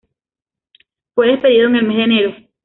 Fue despedido en el mes de enero.